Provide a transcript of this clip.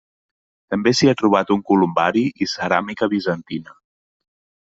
També s'hi ha trobat un columbari i ceràmica bizantina.